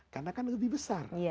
karena kan lebih besar